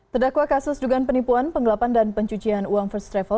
terdakwa kasus dugaan penipuan penggelapan dan pencucian uang first travel